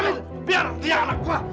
lepas dia anak saya